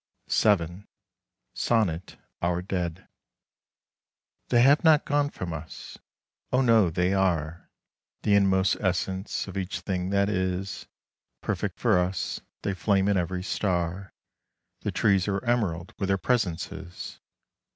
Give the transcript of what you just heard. VII. SONNET: OUR DEAD They have not gone from us. O no! they are The inmost essence of each thing that is Perfect for us; they flame in every star; The trees are emerald with their presences.